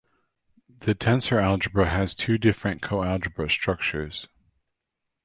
The tensor algebra has two different coalgebra structures.